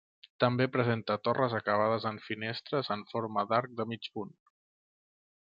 També presenta torres acabades en finestres en forma d'arc de mig punt.